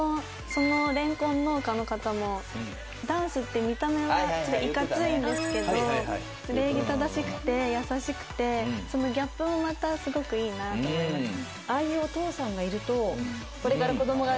そのレンコン農家の方もダンスって見た目はいかついんですけど礼儀正しくて優しくてそのギャップもまたすごくいいなと思いました。